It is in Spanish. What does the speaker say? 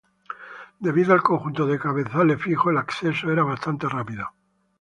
Debido al conjunto de cabezales fijos, el acceso era bastante rápido.